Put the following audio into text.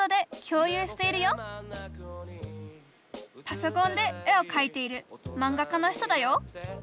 パソコンで絵をかいている漫画家の人だよ